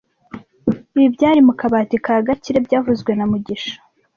Ibi byari mu kabati ka Gakire byavuzwe na mugisha